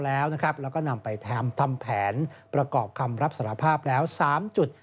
แล้วก็นำไปทำแผนประกอบคำรับสารภาพแล้ว๓จุด